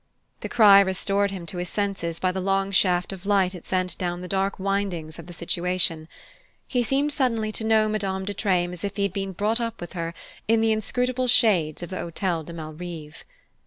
The cry restored him to his senses by the long shaft of light it sent down the dark windings of the situation. He seemed suddenly to know Madame de Treymes as if he had been brought up with her in the inscrutable shades of the Hotel de Malrive.